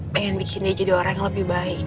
pengen bikin dia jadi orang yang lebih baik